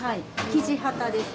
キジハタです。